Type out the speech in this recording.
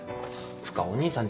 つかお義兄さん